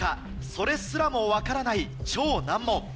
それすらも分からない超難問！